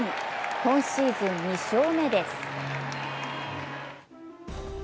今シーズン２勝目です。